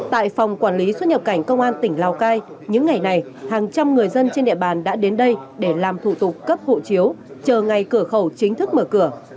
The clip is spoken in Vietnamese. tại phòng quản lý xuất nhập cảnh công an tỉnh lào cai những ngày này hàng trăm người dân trên địa bàn đã đến đây để làm thủ tục cấp hộ chiếu chờ ngày cửa khẩu chính thức mở cửa